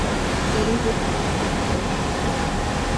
أُريد الحياة الأبدية!